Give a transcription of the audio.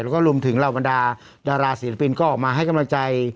แล้วก็รวมถึงเหล่าบรรดาดาราศิลปินก็ออกมาให้กำลังใจ